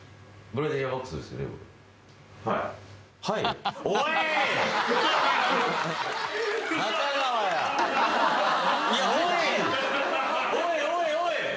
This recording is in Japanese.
「はい」？おい！